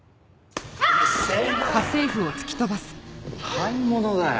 買い物だよ。